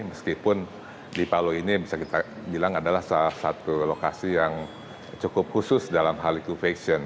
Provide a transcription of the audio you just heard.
meskipun di palu ini bisa kita bilang adalah salah satu lokasi yang cukup khusus dalam hal likuifaction